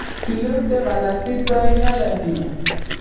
پیلوټ د غلطي ځای نه لري.